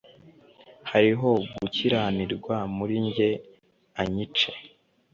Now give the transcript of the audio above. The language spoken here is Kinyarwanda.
hariho gukiranirwa muri jye anyice